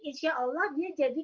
insya allah dia jadi